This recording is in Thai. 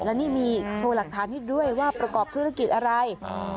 และนี่มีโชว์หลักฐานให้ด้วยว่าประกอบธุรกิจอะไร